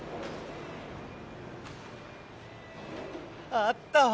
あったわ！